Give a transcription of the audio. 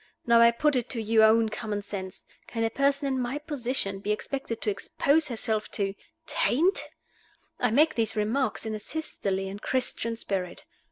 Now I put it to your own common sense. Can a person in my position be expected to expose herself to Taint? I make these remarks in a sisterly and Christian spirit.